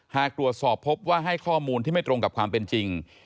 หากตรวจสอบพบว่าให้ข้อมูลที่ไม่ตรงกับความเป็นจริง